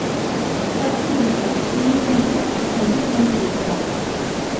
Так нельга, мы не дадзім аб сябе ногі выціраць.